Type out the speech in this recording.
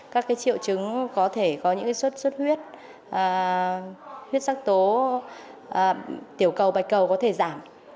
các triệu chứng có thể có những suốt suốt huyết huyết sắc tố tiểu cầu bạch cầu có thể giảm